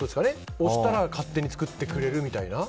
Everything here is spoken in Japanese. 押したら勝手に作ってくれるみたいな。